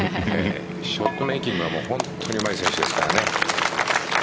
ショットメイキングは本当にうまい選手ですからね。